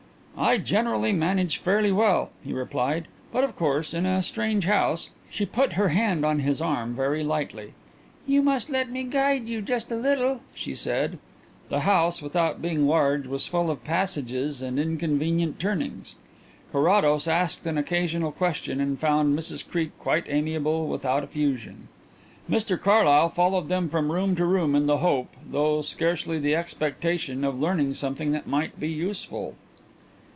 "I generally manage fairly well," he replied. "But, of course, in a strange house " She put her hand on his arm very lightly. "You must let me guide you, just a little," she said. The house, without being large, was full of passages and inconvenient turnings. Carrados asked an occasional question and found Mrs Creake quite amiable without effusion. Mr Carlyle followed them from room to room in the hope, though scarcely the expectation, of learning something that might be useful.